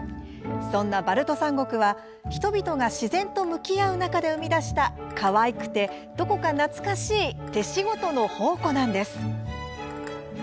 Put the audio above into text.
そんなバルト三国は、人々が自然と向き合う中で生み出したかわいくて、どこか懐かしい手仕事の宝庫なんです。